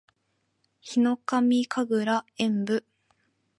ヒノカミ神楽炎舞（ひのかみかぐらえんぶ）